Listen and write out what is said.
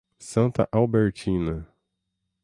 Santa Albertina